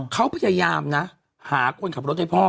เขาพยายามนะหาคนขับรถให้พ่อ